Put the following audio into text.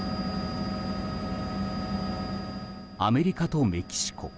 アメリカとメキシコ。